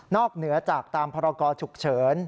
นอกเหนือจากตามพรากอถูกเฉิน